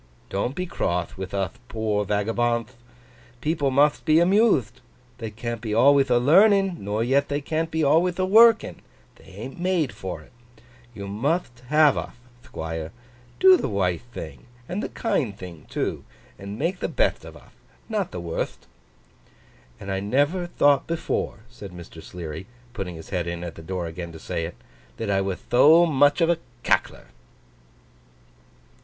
Don't be croth with uth poor vagabondth. People mutht be amuthed. They can't be alwayth a learning, nor yet they can't be alwayth a working, they an't made for it. You mutht have uth, Thquire. Do the withe thing and the kind thing too, and make the betht of uth; not the wurtht!' 'And I never thought before,' said Mr. Sleary, putting his head in at the door again to say it, 'that I wath tho muth of a Cackler!